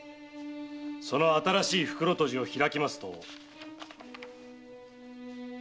その新しい袋綴じを開きますと。